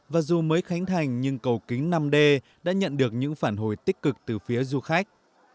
và dù mới khánh thành nhưng cầu kính năm d đã nhận được những phản hồi tích cực từ phía du khách